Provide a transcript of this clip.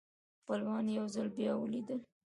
خپلوان یو ځل بیا ولیدل.